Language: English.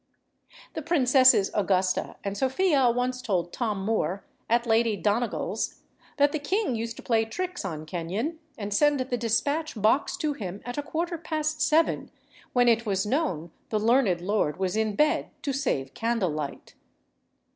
The princesses Augusta and Sophia once told Tom Moore, at Lady Donegall's that the king used to play tricks on Kenyon and send the despatch box to him at a quarter past seven, when it was known the learned lord was in bed to save candlelight.